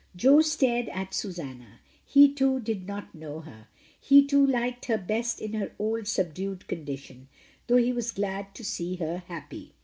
Jo stared at Susanna, he too did not know her; he too liked her best in her old subdued condition, though he was glad to see her happy.